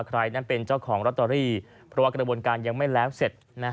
ใครนั้นเป็นเจ้าของลอตเตอรี่เพราะว่ากระบวนการยังไม่แล้วเสร็จ